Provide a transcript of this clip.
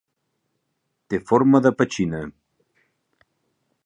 Té forma de petxina.